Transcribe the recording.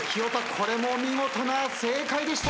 これも見事な正解でした。